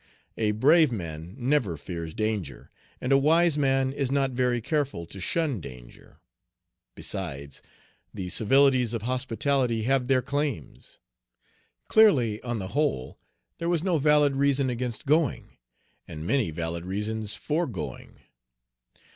A brave man never fears danger, and a wise man is not very careful to shun danger. Besides, the civilities of hospitality have their claims. Clearly, on the whole, there was no valid reason against going, and many valid reasons for going.